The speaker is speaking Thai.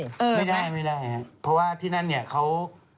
ไม่ได้ไม่ได้ครับเพราะว่าที่นั่นเนี่ยเขา